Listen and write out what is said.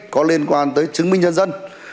có liên quan tới chứng minh dân dân